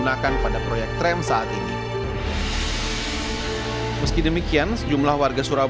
karena kan kurangi pendapatan bisa